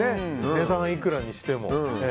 値段いくらにしても。